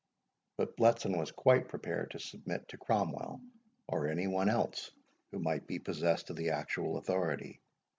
But Bletson was quite prepared to submit to Cromwell, or any one else who might be possessed of the actual authority.